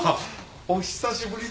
お久しぶりです